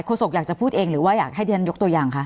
โศกอยากจะพูดเองหรือว่าอยากให้เรียนยกตัวอย่างคะ